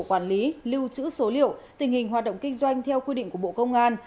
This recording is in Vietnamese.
quản lý lưu trữ số liệu tình hình hoạt động kinh doanh theo quy định của bộ công an